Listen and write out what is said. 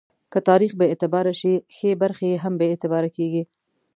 که تاریخ بې اعتباره شي، ښې برخې یې هم بې اعتباره کېږي.